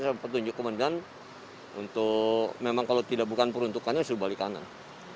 saya menunjukkan kemudian untuk memang kalau tidak bukan peruntukannya suruh balik kanan